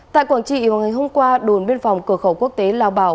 tại quảng trị hôm nay hôm qua đồn biên phòng cửa khẩu quốc tế lào bảo